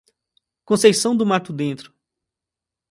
Conceição do Mato Dentro